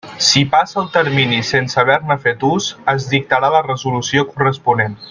Si passa el termini sense haver-ne fet ús, es dictarà la resolució corresponent.